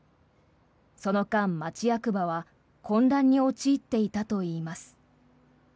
その間、町役場は混乱に陥っていたといいます。